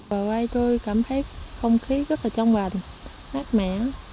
vào quay tôi cảm thấy không khí rất là trong bền mát mẻ